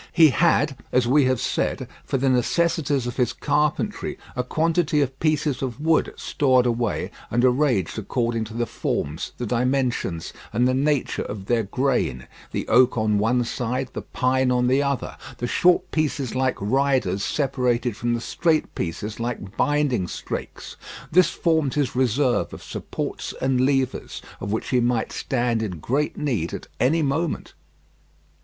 He had, as we have said, for the necessities of his carpentry, a quantity of pieces of wood, stored away, and arranged according to the forms, the dimensions, and the nature of their grain; the oak on one side, the pine on the other; the short pieces like riders, separated from the straight pieces like binding strakes. This formed his reserve of supports and levers, of which he might stand in great need at any moment.